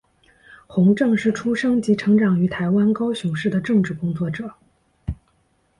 洪正是出生及成长于台湾高雄市的政治工作者。